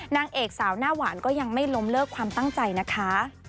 นางเอกสาวหน้าหวานก็ยังไม่ล้มเลิกความตั้งใจนะคะ